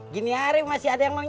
gini hari masih ada yang